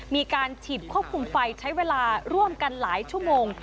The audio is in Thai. มีการฉีดควบคุมไฟใช้เวลาร่วมกันหลายชั่วโมง